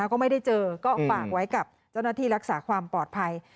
ก็ไม่ได้เจอก็ฝากไว้กับเจ้าหน้าที่รักษาความปลอดภัย